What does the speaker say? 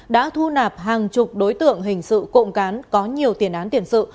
đã thu nạp hàng chục đối tượng hình sự cộng cán có nhiều tiền án tiền sự